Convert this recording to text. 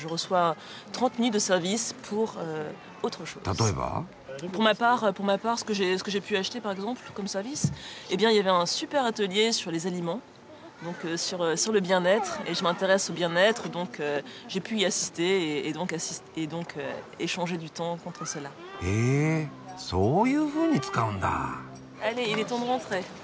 例えば？へそういうふうに使うんだ。